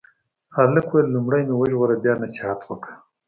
هلک وویل لومړی مې وژغوره بیا نصیحت وکړه.